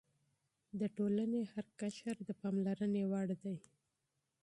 د ټولنې هر قشر د پاملرنې وړ دی.